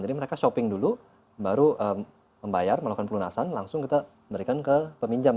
jadi mereka shopping dulu baru membayar melakukan perlunasan langsung kita berikan ke peminjam